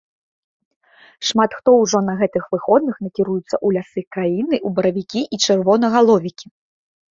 Шмат хто ўжо на гэтых выходных накіруецца ў лясы краіны ў баравікі і чырвонагаловікі.